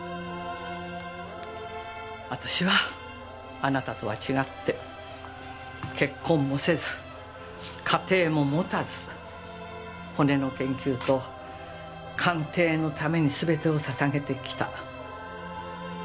私はあなたとは違って結婚もせず家庭も持たず骨の研究と鑑定のために全てを捧げてきた。